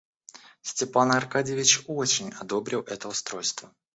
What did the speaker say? Степан Аркадьич очень одобрил это устройство.